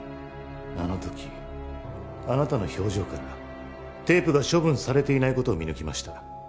あの時あなたの表情からテープが処分されていない事を見抜きました。